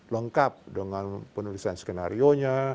lengkap dengan penulisan skenario